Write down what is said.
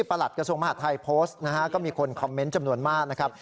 หลัดกระทรวงมหาดไทยโพสต์นะฮะก็มีคนคอมเมนต์จำนวนมากนะครับ